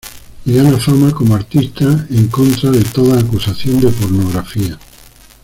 Y gana fama como artista en contra de toda acusación de pornografía.